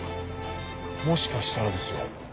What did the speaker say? もしかしたらですよ